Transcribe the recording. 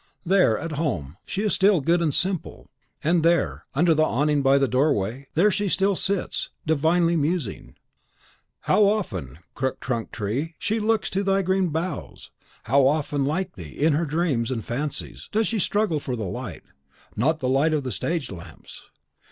There, at home, she is still good and simple; and there, under the awning by the doorway, there she still sits, divinely musing. How often, crook trunked tree, she looks to thy green boughs; how often, like thee, in her dreams, and fancies, does she struggle for the light, not the light of the stage lamps.